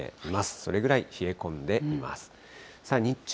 それぐらい冷え込んでいます。